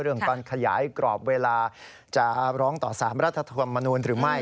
ตอนขยายกรอบเวลาจะร้องต่อสารรัฐธรรมนูลหรือไม่